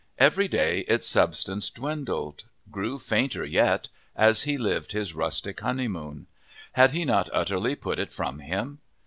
Every day its substance dwindled, grew fainter yet, as he lived his rustic honeymoon. Had he not utterly put it from him?